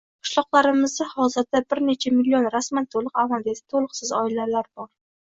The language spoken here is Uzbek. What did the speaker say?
Qishloqlarimizda hozirda bir necha million rasman to‘liq, amalda esa to‘liqsiz oilalar bor.